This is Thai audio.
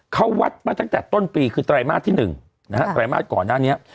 เขาวัดมาตั้งแต่ต้นปีคือไตรมาสที่๑นะฮะไตรมาสก่อนหน้านี้